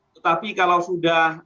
tetapi kalau sudah